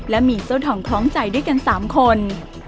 และมีเจ้าทองคล้องใจด้วยกัน๓คน